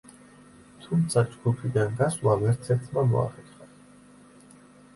თუმცა ჯგუფიდან გასვლა ვერცერთმა მოახერხა.